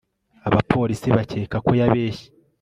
Abapolisi bakeka ko yabeshye